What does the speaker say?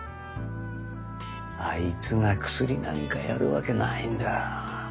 あいつがクスリなんかやるわけないんだ。